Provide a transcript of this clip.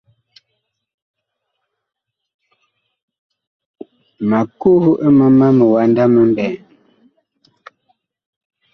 Ma kuh ɛ mama miwanda mi mɓɛɛŋ.